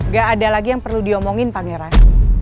gak ada lagi yang perlu diomongin pangeran